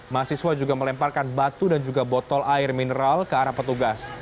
mahasiswa juga melemparkan batu dan juga botol air mineral ke arah petugas